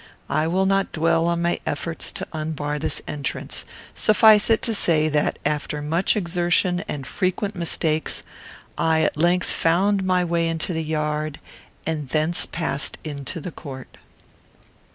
I will not dwell on my efforts to unbar this entrance. Suffice it to say that, after much exertion and frequent mistakes, I at length found my way into the yard, and thence passed into the court.